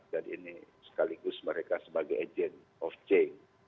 jadi ini sekaligus mereka sebagai agent of change